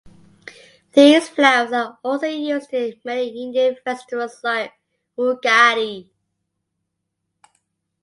These flowers are also used in many Indian festivals like Ugadi.